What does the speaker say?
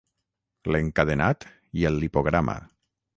L'encadenat i el lipograma.